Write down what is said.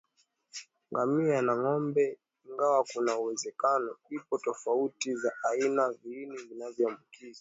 Ngamia na ngombe ingawa kuna uwezekano ipo tofauti za aina za viini zinazoambukiza